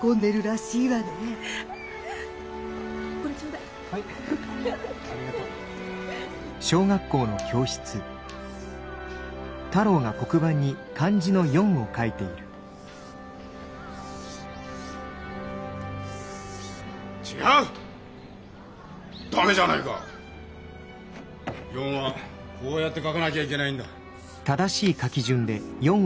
「四」はこうやって書かなきゃいけないんだ。